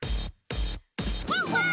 ワンワン。